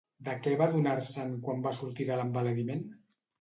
De què va adonar-se'n quan va sortir de l'embadaliment?